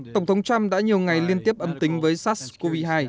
tổng thống trump đã nhiều ngày liên tiếp âm tính với sars cov hai